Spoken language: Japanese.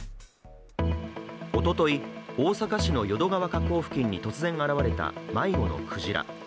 おととい、大阪市の淀川河口付近に突然現れた迷子のクジラ。